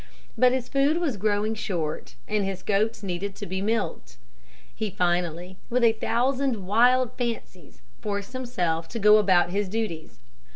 But his food was growing short and his goats needed to be milked. He finally with a thousand wild fancies forced himself to go about his duties.